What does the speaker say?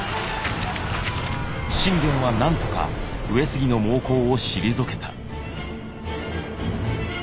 信玄はなんとか上杉の猛攻を退けた。